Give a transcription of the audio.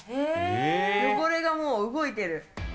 汚れがもう動いてる。